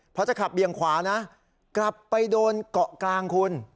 พอจะขับเบี่ยงขวานะกลับไปโดนเกาะกลางคุณ